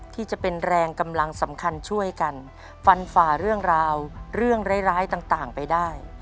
ที่จะเป็นแรงกำลังสำคัญช่วยกันฟันฝ่าเรื่องราวเรื่องร้ายต่างไปได้